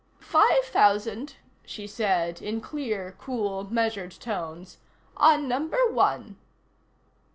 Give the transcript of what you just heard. "Five thousand," she said in clear, cool measured tones, "on number one."